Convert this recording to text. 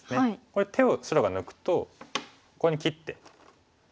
これ手を白が抜くとここに切って。